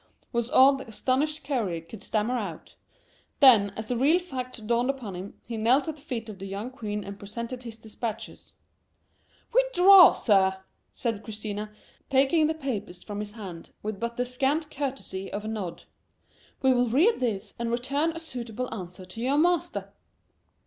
was all that the astonished courier could stammer out. Then, as the real facts dawned upon him, he knelt at the feet of the young queen and presented his dispatches. "Withdraw, sir!" said Christina, taking the papers from his hand with but the scant courtesy of a nod; "we will read these and return a suitable answer to your master."